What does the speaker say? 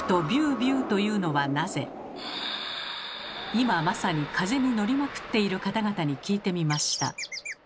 今まさに風に乗りまくっている方々に聞いてみました。